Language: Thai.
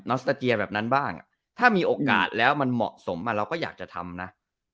สตาเกียร์แบบนั้นบ้างถ้ามีโอกาสแล้วมันเหมาะสมเราก็อยากจะทำนะ